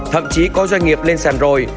thậm chí có doanh nghiệp lên sàn rồi